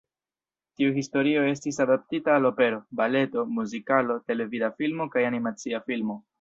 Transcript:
Tiu historio estis adaptita al opero, baleto, muzikalo, televida filmo kaj animacia filmo.